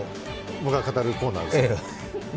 僕が語るコーナーですよね。